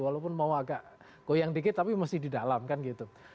walaupun mau agak goyang dikit tapi masih di dalam kan gitu